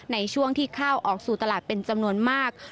ในช่วงที่ข้าวออกสู่ตลาดเป็นจำนวนมาก